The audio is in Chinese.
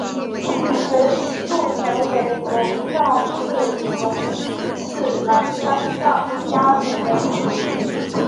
曾一度成为龙造寺隆信次男江上家种的养子。